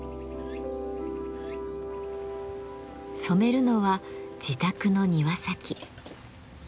染めるのは自宅の庭先。